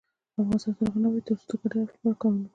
افغانستان تر هغو نه ابادیږي، ترڅو د ګډ هدف لپاره کار ونکړو.